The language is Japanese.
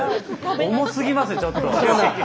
重すぎますねちょっと。